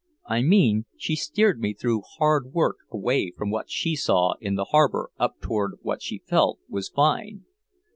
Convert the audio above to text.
I mean she steered me through hard work away from what she saw in the harbor up toward what she felt was fine.